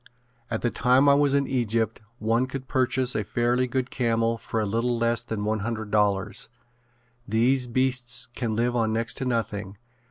At the time I was in Egypt one could purchase a fairly good camel for a little less than one hundred dollars. These beasts can live on next to nothing.